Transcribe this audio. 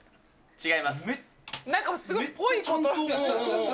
違います。